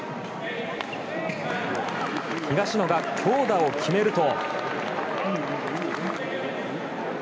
東野が強打を決めると。